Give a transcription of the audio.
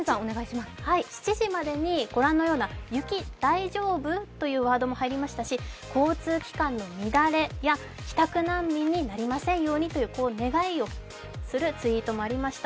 ７時までに「雪大丈夫」といワードも入りましたし交通機関の乱れや帰宅難民になりませんようにという願いをするツイートもありました。